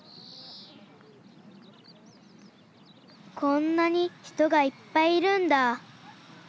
こんなに人がいっぱいいるんだ。